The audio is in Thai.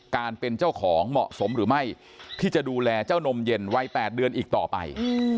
การเป็นเจ้าของเหมาะสมหรือไม่ที่จะดูแลเจ้านมเย็นวัย๘เดือนอีกต่อไป